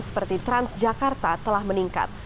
seperti transjakarta telah meningkat